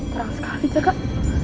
terang sekali cakak